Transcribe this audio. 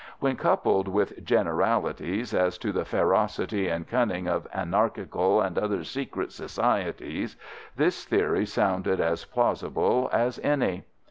When coupled with generalities as to the ferocity and cunning of anarchical and other secret societies, this theory sounded as plausible as any.